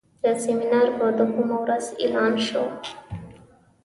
د سیمینار په دوهمه ورځ اعلان شو.